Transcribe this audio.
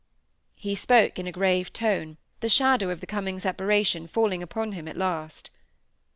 He spoke in a grave tone, the shadow of the coming separation falling upon him at last.